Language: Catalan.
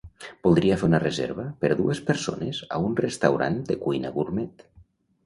Voldria fer una reserva per a dues persones a un restaurant de cuina gurmet.